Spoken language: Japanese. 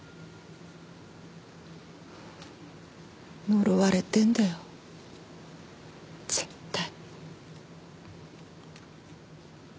呪われてんだよ絶対。